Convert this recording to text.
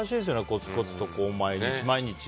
コツコツと、毎日毎日。